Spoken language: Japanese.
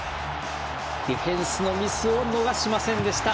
ディフェンスのミスを逃しませんでした。